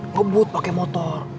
ngebut pake motor